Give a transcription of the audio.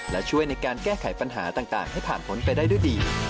และช่วยในการแก้ไขปัญหาต่างให้ผ่านพ้นไปได้ด้วยดี